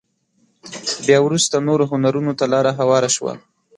بيا وروسته نورو هنرونو ته لاره هواره شوه.